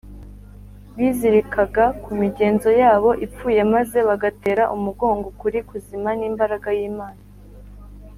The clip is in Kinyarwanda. bizirikaga ku migenzo yabo ipfuye maze bagatera umugongo ukuri kuzima n’imbaraga y’imana